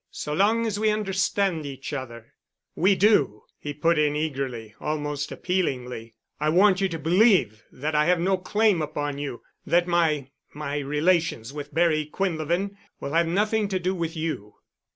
So long as we understand each other——" "We do," he put in eagerly, almost appealingly. "I want you to believe that I have no claim upon you—that my—my relations with Barry Quinlevin will have nothing to do with you."